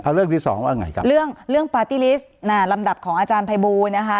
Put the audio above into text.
เอาเรื่องที่สองว่าไงครับเรื่องเรื่องปาร์ตี้ลิสต์ลำดับของอาจารย์ภัยบูลนะคะ